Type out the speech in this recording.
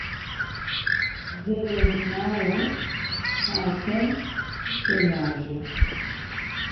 Zereunağou xatem tışelaje.